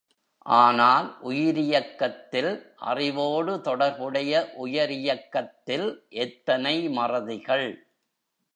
ஆனால், உயிரியக்கத்தில் அறிவோடு தொடர்புடைய உயிரியக்கத்தில் எத்தனை மறதிகள்!